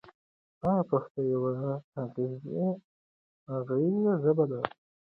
آیا پښتو یوه غږیزه ژبه ده؟